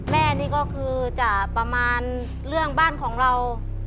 แม่เนี่ยนี้คือประมาณเรื่องเป็นบ้านของเรา